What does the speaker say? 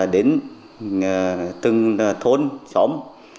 đến từ thôn trộm